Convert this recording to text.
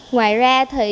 ngoài ra thì